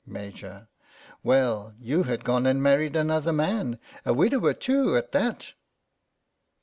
Maj, : Well, you had gone and married another man — a widower, too, at that.